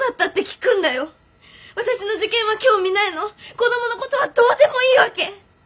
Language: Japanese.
子供のことはどうでもいいわけ！？